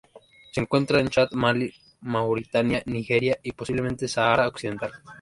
Se encuentra en Chad Malí Mauritania Nigeria y, posiblemente, Sahara Occidental.